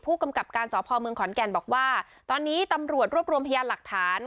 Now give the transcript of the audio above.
ผู้กำกับการสพเมืองขอนแก่นบอกว่าตอนนี้ตำรวจรวบรวมพยานหลักฐาน